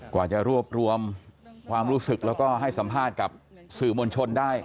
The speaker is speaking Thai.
กว่าจะรวบรวมความรู้สึกแล้วก็ให้สัมภาษณ์กับสื่อมวลชนได้